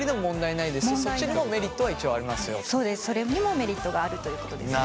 そうですそれにもメリットがあるということですね。